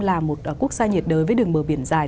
là một quốc gia nhiệt đới với đường mờ biển dài